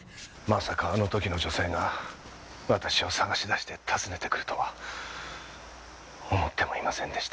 まさかあの時の女性が私を捜し出して訪ねてくるとは思ってもいませんでした。